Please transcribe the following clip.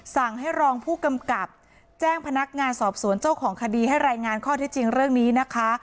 สั่งให้รองผู้กำกับแจ้งพนักงานสอบสวนเจ้าของคดีให้รายงานข้อที่จริงเรื่องนี้นะคะ